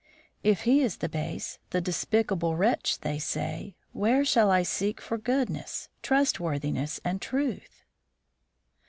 If he is the base, the despicable wretch they say, where shall I seek for goodness, trustworthiness, and truth?"